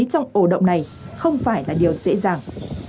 trong ổ động này không phải là điều dễ dàng